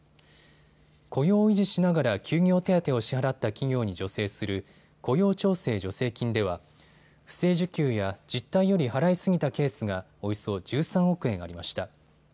雇用を維持しながら休業手当を支払った企業に助成する雇用調整助成金では不正受給や実態より払いすぎたケースがおよそ１３億円ありました。